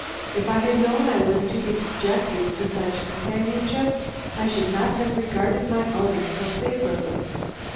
If I had known I was to be subjected to such companionship I should not have regarded my outing so favorably."